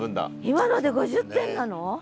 今ので５０点なの！？